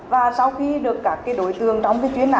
và sau khi được các đối tượng đóng cái chuyến đàn